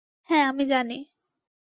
হ্যা, আমি জানি।